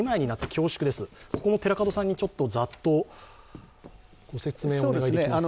ここも寺門さんにざっとご説明をお願いできますか。